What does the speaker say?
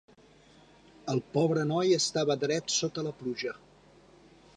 El pobre noi estava dret sota la pluja.